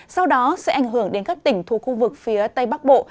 sau đó sẽ ảnh hưởng đến các tỉnh thuộc khu vực phía tây bắc bộ